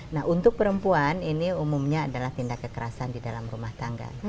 nah untuk perempuan ini umumnya adalah tindak kekerasan di dalam rumah tangga